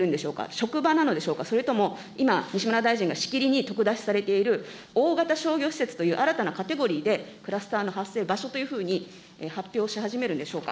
職場なのでしょうか、それとも今、西村大臣がしきりにとくだしされている大型商業施設という新たなカテゴリーでクラスターの発生場所というふうに発表し始めるんでしょうか。